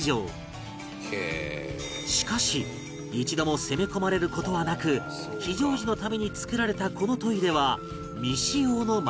しかし一度も攻め込まれる事はなく非常時のために作られたこのトイレは未使用のまま